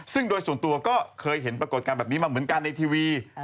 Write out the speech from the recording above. ซึ่งโดยส่วนตัวก็เคยเห็นปรากฏการณ์แบบนี้มาเหมือนกันในทีวี